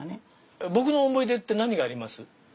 僕の思い出って何があります？